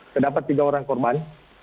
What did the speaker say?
terdapat tiga orang korban